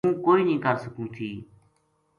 ہوں کوئی نیہہ کر سکوں تھی